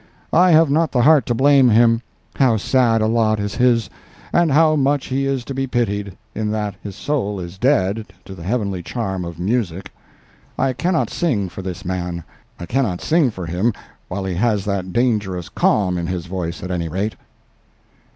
I have not the heart to blame him. How sad a lot is his, and how much he is to be pitied, in that his soul is dead to the heavenly charm of music. I cannot sing for this man; I cannot sing for him while he has that dangerous calm in his voice, at any rate."